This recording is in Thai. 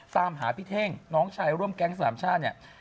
ตามหาพี่เท่งน้องชายร่วมแก๊งสามชาติเนี่ย